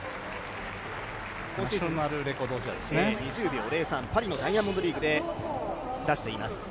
今シーズン、２０秒０３、パリのダイヤモンドリーグで出しています。